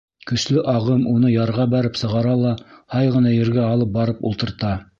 Көслө ағым уны ярға бәреп сығара ла һай ғына ергә алып барып ултырта.